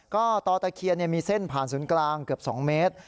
ก็ต่อตะเคียนมีเส้นผ่านศูนย์กลางเกือบ๒เมตร